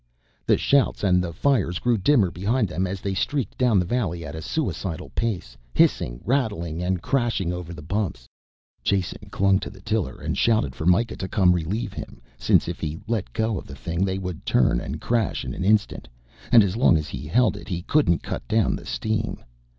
The shouts and the fires grew dimmer behind them as they streaked down the valley at a suicidal pace, hissing, rattling and crashing over the bumps. Jason clung to the tiller and shouted for Mikah to come relieve him, since if he let go of the thing they would turn and crash in an instant, and as long as he held it he couldn't cut down the steam.